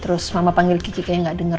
terus mama panggil kiki kayaknya gak denger